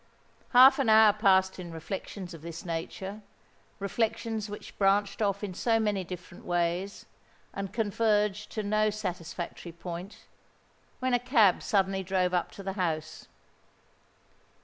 Half an hour passed in reflections of this nature—reflections which branched off in so many different ways, and converged to no satisfactory point—when a cab suddenly drove up to the house.